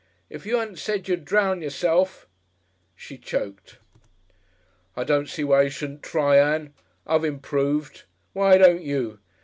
If you 'adn't said you'd drown yourself " She choked. "I don' see why you shouldn't try, Ann. I've improved. Why don't you?